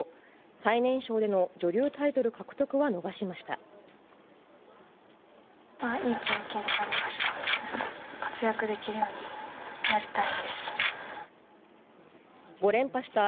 最年少での女流タイトル獲得は逃いい経験になりました。